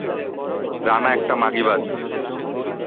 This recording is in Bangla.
স্ত্রী হিসেবে তাকে কারও সামনে স্বীকৃতি দেননি।